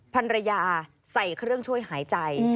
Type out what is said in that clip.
ภรรยาใส่เครื่องช่วยหายใจ